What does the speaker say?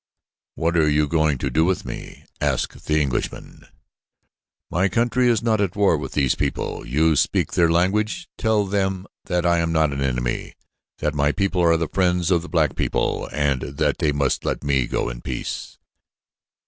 "What are they going to do with me?" asked the Englishman. "My country is not at war with these people. You speak their language. Tell them that I am not an enemy, that my people are the friends of the black people and that they must let me go in peace."